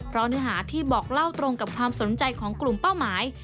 เพราะเนื้อหาที่บอกเล่าตรงกับความสนใจของกลุ่มเป้าหมาย